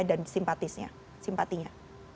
dan simpatisnya simpatinya